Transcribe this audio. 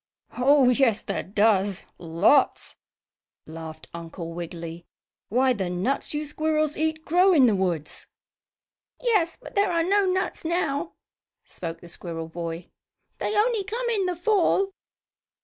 "Oh, yes there does lots!" laughed Uncle Wiggily. "Why the nuts you squirrels eat grow in the woods." "Yes, but there are no nuts now," spoke the squirrel boy. "They only come in the Fall."